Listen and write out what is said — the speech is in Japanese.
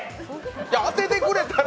当ててくれたら。